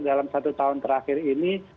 dalam satu tahun terakhir ini